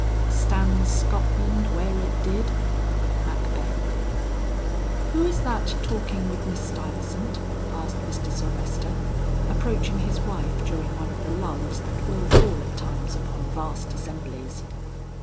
"Stands Scotland where it did?" MACBETH. "Who is that talking with Miss Stuyvesant?" asked Mr. Sylvester, approaching his wife during one of the lulls that will fall at times upon vast assemblies.